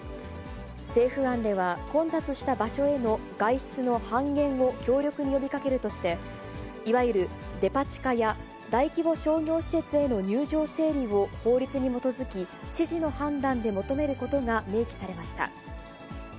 政府案では、混雑した場所への外出の半減を強力に呼びかけるとして、いわゆるデパ地下や大規模商業施設への入場整理を法律に基づき、知事の判断で求めることが明記されました。